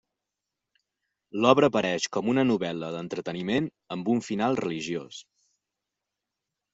L’obra apareix com una novel·la d’entreteniment amb un final religiós.